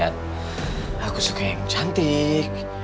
aku pake uang yang kamu kasih